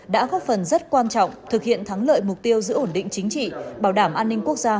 đã góp phần rất quan trọng thực hiện thắng lợi mục tiêu giữ ổn định chính trị bảo đảm an ninh quốc gia